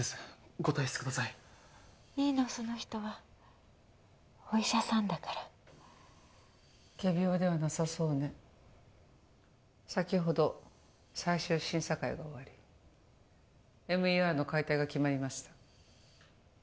ご退室くださいいいのその人はお医者さんだから仮病ではなさそうね先ほど最終審査会が終わりＭＥＲの解体が決まりました